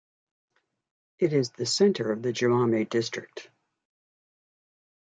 It is the center of the Jamame District.